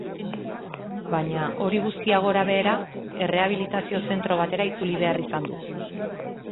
Baina, hori guztia gorabehera, errehabilitazio zentro batera itzuli behar izan du.